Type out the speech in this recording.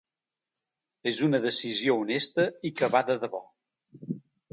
És una decisió honesta i que va de debò.